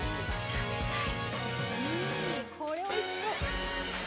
これおいしそう。